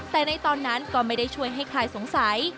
แต่ในตอนนั้นก็ไม่ได้ช่วยให้คลายสงสัย